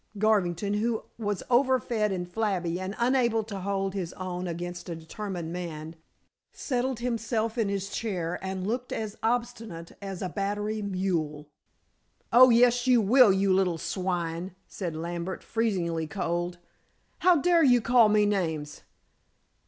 Garvington, who was overfed and flabby and unable to hold his own against a determined man, settled himself in his chair and looked as obstinate as a battery mule. "Oh, yes, you will, you little swine," said Lambert freezingly cold. "How dare you call me names?"